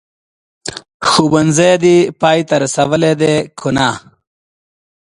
ښوونځی دي پای ته رسولی دی که نه ؟